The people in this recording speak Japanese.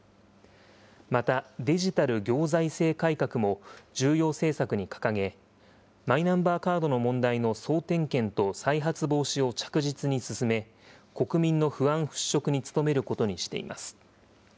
また、デジタル行財政改革も重要政策に掲げ、マイナンバーカードの問題の総点検と再発防止を着実に進め、国民の不安払拭に努めることにしています。